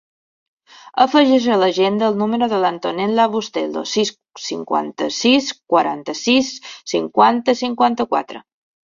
Afegeix a l'agenda el número de l'Antonella Bustelo: sis, cinquanta-sis, quaranta-set, cinquanta, cinquanta-quatre.